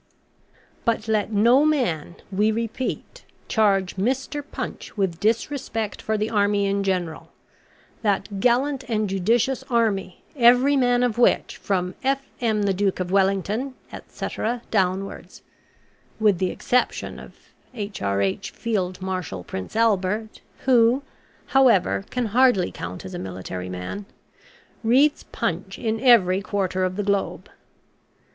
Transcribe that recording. But let no man, we repeat, charge MR. PUNCH with disrespect for the Army in general that gallant and judicious Army, every man of which, from F.M. the Duke of Wellington, &c., downwards (with the exception of H.R.H. Field Marshal Prince Albert, who, however, can hardly count as a military man,) reads PUNCH in every quarter of the globe.